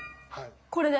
これで。